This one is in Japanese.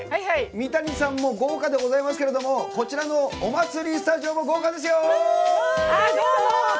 三谷さんも豪華でございますけれどもこちらのお祭りスタジオも豪華ですよ！